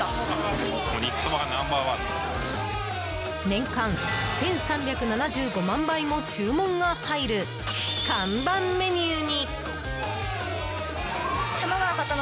年間１３７５万杯も注文が入る看板メニューに。